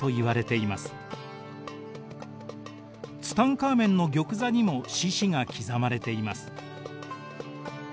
ツタンカーメンの玉座にも獅子が刻まれています。